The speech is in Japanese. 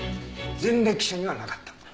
前歴者にはなかったんだ。